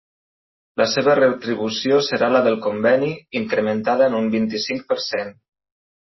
La seva retribució serà la del conveni, incrementada en un vint-i-cinc per cent.